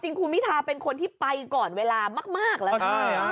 คุณพิทาเป็นคนที่ไปก่อนเวลามากแล้วนะ